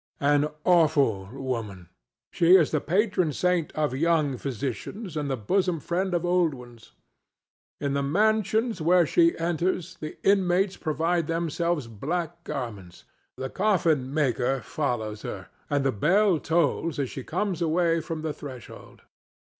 An awful woman! She is the patron saint of young physicians and the bosom friend of old ones. In the mansions where she enters the inmates provide themselves black garments; the coffin maker follows her, and the bell tolls as she comes away from the threshold.